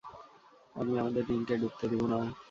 আমি আমাদের রিং কে ডুবতে দিবো না!